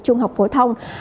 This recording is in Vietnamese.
trung học phổ thông